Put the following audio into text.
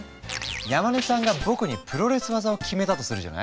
山根さんが僕にプロレス技を決めたとするじゃない？